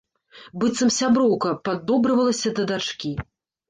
Быццам сяброўка, паддобрывалася да дачкі.